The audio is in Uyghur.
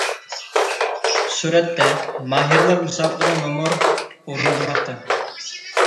سۈرەتتە: ماھىرلار مۇسابىقىدە نومۇر ئورۇندىماقتا.